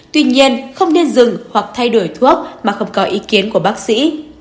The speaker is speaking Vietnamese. tuy nhiên không nên dừng hoặc thay đổi thuốc mà không có ý kiến của bác sĩ